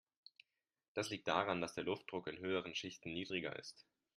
Das liegt daran, dass der Luftdruck in höheren Schichten niedriger ist.